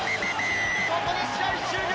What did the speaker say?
ここで試合終了！